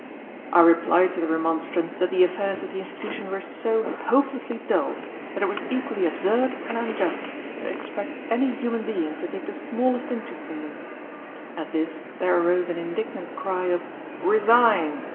I replied to the remonstrance that the affairs of the Institution were so hopelessly dull that it was equally absurd and unjust to expect any human being to take the smallest interest in them. At this there arose an indignant cry of "Resign!"